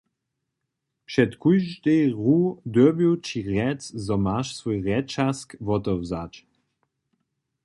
Před kóždej hru dyrbju ći rjec, zo maš swój rjećazk wotewzać.